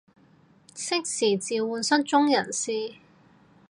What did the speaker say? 適時召喚失蹤人士